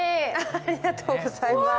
ありがとうございます。